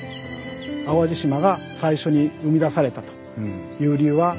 淡路島が最初に生み出されたという理由はこれで。